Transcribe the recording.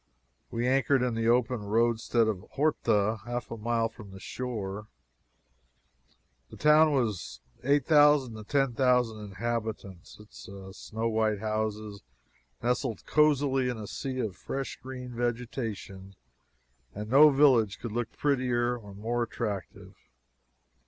We anchored in the open roadstead of Horta, half a mile from the shore. The town has eight thousand to ten thousand inhabitants. Its snow white houses nestle cosily in a sea of fresh green vegetation, and no village could look prettier or more attractive.